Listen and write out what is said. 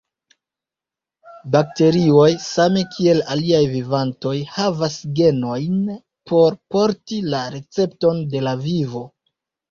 Bakterioj, same kiel aliaj vivantoj, havas genojn por porti la recepton de la vivo.